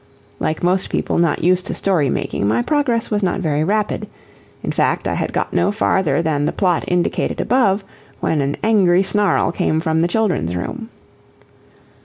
Like most people not used to story making, my progress was not very rapid; in fact, I had got no farther than the plot indicated above when an angry snarl came from the children's room.